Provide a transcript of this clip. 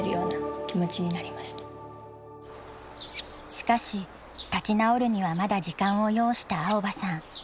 しかし立ち直るにはまだ時間を要した蒼葉さん。